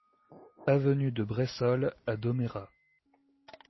Avenue de Bressolles à Domérat